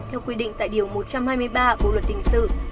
theo quy định tại điều một trăm hai mươi ba bộ luật hình sự